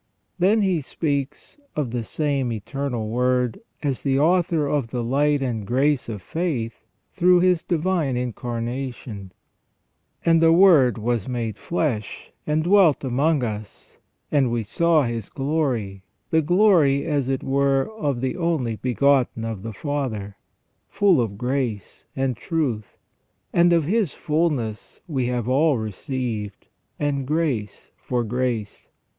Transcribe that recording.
Then he speaks of the same Eternal Word as the author of the light and grace of faith through His Divine Incarnation :" And the Word was made flesh, and dwelt among us (and we saw His glory, the glory as it were of the only begotten of the Father) full of grace and truth. ... And of His fulness we have all received, and grace for grace.